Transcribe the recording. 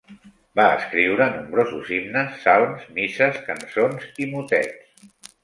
Va escriure nombrosos himnes, salms, misses, cançons i motets.